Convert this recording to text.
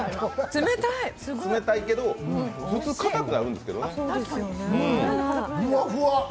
冷たいけど、普通かたくなるんですよね。